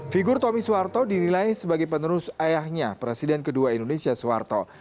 figur tommy suharto dinilai sebagai penerus ayahnya presiden kedua indonesia soeharto